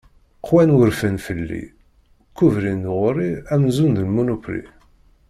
Qwan wurfan fell-i, kkubrin-d ɣur-i amzun d munupri.